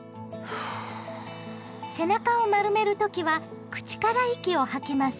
背中を丸める時は口から息を吐きます。